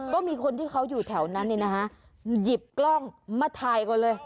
ก็มีคนที่เขาอยู่แถวนั้นเนี่ยนะฮะหยิบกล้องมาถ่ายก่อนเลย